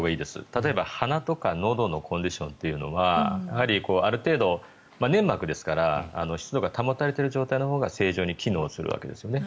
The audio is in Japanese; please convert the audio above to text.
例えば鼻とかのどのコンディションというのはやはり、ある程度粘膜ですから湿度が保たれている状態のほうが正常に機能するわけですよね。